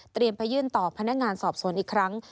เตรียมพายื่นต่อพนักงานสอบสนอีกครั้ง